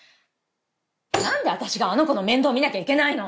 なんで私があの子の面倒見なきゃいけないの！